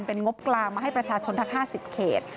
เป็นงบกลางมาให้ประชาชนทั้ง๕๐เขต